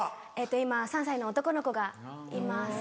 今３歳の男の子がいます。